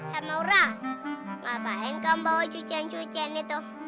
hei maura ngapain kamu bawa cucian cucian itu